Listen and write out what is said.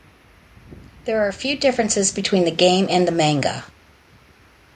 There are a few differences between the game and the manga.